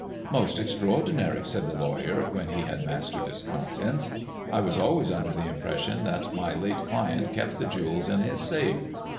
"Most extraordinary," said the lawyer, when he had mastered its contents. " I was always under the impression that my late client kept the jewels in his safe.